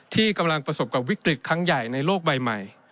ที่กำลังประสบกับวิกฤตครั้งใหญ่ในโลกใบใหม่